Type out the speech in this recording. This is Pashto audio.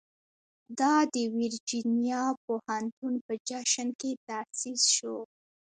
دا د ورجینیا پوهنتون په جشن کې تاسیس شو.